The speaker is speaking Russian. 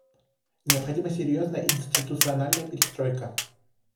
Необходима серьезная институциональная перестройка.